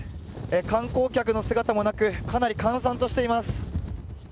観光客の姿もなく、かなり閑散としています。